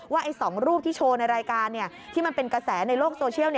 ๒รูปที่โชว์ในรายการที่มันเป็นกระแสในโลกโซเชียล